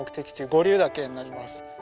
五竜岳になります。